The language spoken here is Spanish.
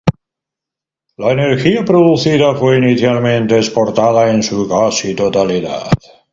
La energía producida fue, inicialmente, exportada en su casi totalidad.